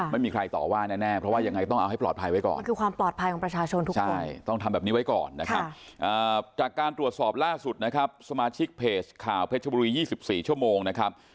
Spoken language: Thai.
ไม่มีใครต่อว่าแน่เพราะว่าอย่างไรต้องเอาให้ปลอดภัยไว้ก่อน